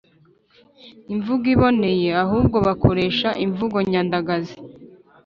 imvugo iboneye; ahubwo bakoresha imvugo nyandagazi.